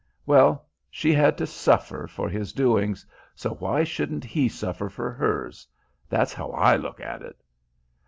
Well, she had to suffer for his doings, so why shouldn't he suffer for hers. That's how I look at it...."